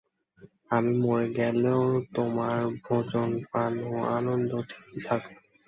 আমি মরে গেলেও তোমার ভোজন পান ও আনন্দ ঠিকই থাকে।